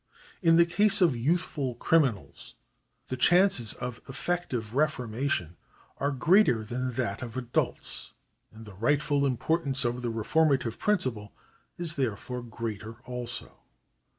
In the case of youthful criminals the chances of effective reformation are greater than in that of adults, and the rightful importance of the reformative principle is there fore greater also.